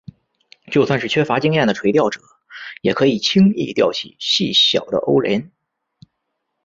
就算是缺乏经验的垂钓者也可以轻易钓起细小的欧鲢。